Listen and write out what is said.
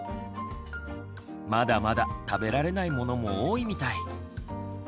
まだまだ食べられないものも多いみたい。